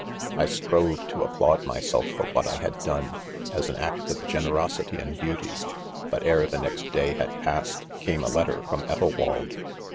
'I strove to applaud .myself for what I had done, as an act of generosity and duty ° 3 — but ere the next day had passed, came a letter from Ethelwald.